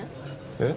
えっ？